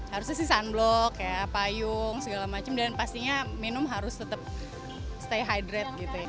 harusnya sih sunblock kayak payung segala macam dan pastinya minum harus tetap stay hydrate gitu ya